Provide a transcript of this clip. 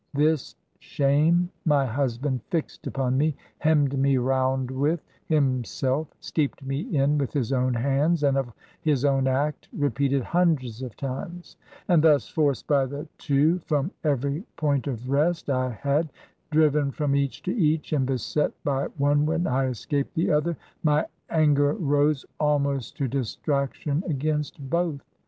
This shame my husband fixed upon me; hemmed me roimd with, 141 Digitized by VjOOQIC HEROINES OF FICTION himself; steeped me in, with his own hands, and of his own act, repeated himdreds of times. And thus — forced by the two from every point of rest I had, ... driven from each to each, and beset by one when I es caped the other — ^my anger rose almost to distraction against both.